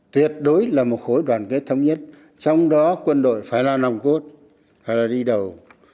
tuyệt đối là một khối đoàn kết thống nhất trong đó quân đội phải là nòng cốt phải là đi đầu